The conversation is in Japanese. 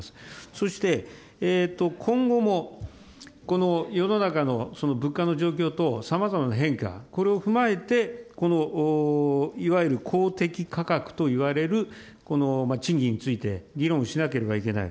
そして、今後もこの世の中の物価の状況等、さまざまな変化、これを踏まえて、いわゆる公的価格といわれる賃金について、議論しなければいけない。